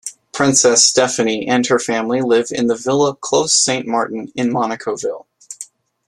Princess Stephanie and her family live in the Villa Clos Saint-Martin in Monaco-ville.